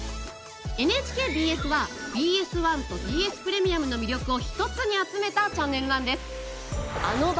ＮＨＫＢＳはＢＳ１とＢＳプレミアムの魅力を一つに集めたチャンネルなんです。